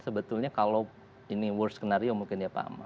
sebetulnya kalau ini worst scenario mungkin ya pak amma